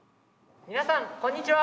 皆さんこんにちは！